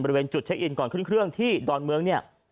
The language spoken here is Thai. บริเวณจุดเช็คอินก่อนขึ้นเครื่องที่ดอนเมืองเนี่ย